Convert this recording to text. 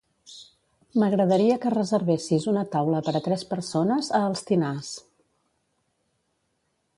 M'agradaria que reservessis una taula per a tres persones a Els Tinars.